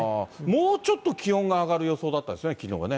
もうちょっと気温が上がる予想だったですよね、きのうはね。